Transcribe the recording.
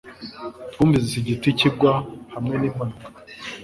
Twumvise igiti kigwa hamwe nimpanuka